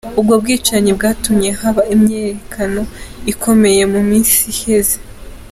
Ubwo bwicanyi bwatumye haba imyiyerekano ikomeye mu misi iheze.